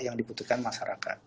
yang dibutuhkan masyarakat